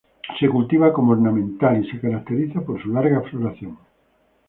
Se cultiva como ornamental y se caracteriza por su larga floración.